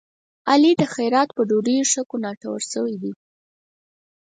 علي د خیرات په ډوډيو ښه کوناټور شوی دی.